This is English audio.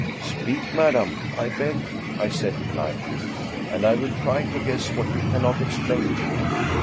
" Speak, madam, I beg," I said, politely, " and I will try to guess what you cannot explain to me."